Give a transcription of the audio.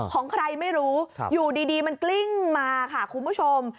ของใครไม่รู้อยู่ดีมันกลิ้งมาค่ะคุณผู้ชม